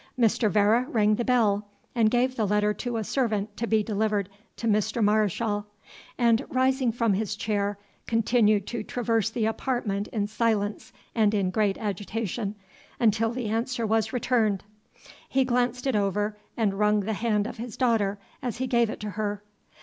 Mr. Vere rang the bell, and gave the letter to a servant to be delivered to Mr. Mareschal, and, rising from his chair, continued to traverse the apartment in silence and in great agitation until the answer was returned. He glanced it over, and wrung the hand of his daughter as he gave it to her.